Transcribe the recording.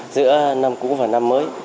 giữa năm cũ và năm mới